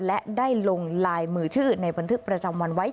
และได้ลงลายมือชื่อในบันทึกประจำวันไว้